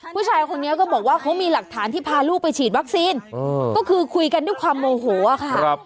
ผู้ชายคนนี้ก็บอกว่าเขามีหลักฐานที่พาลูกไปฉีดวัคซีนก็คือคุยกันด้วยความโมโหค่ะ